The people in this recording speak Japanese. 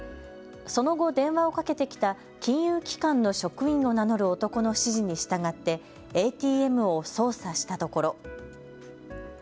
その後、電話をかけてきた金融機関の職員を名乗る男の指示に従ってＡＴＭを操作したところ。